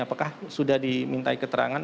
apakah sudah diminta keterangan